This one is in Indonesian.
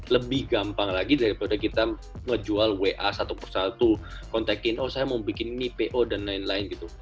lebih gampang lagi daripada kita ngejual wa satu persatu kontakin oh saya mau bikin ini po dan lain lain gitu